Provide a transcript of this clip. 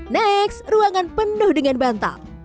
next ruangan penuh dengan bantal